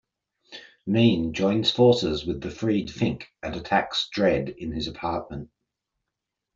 Mean joins forces with the freed Fink and attacks Dredd in his apartment.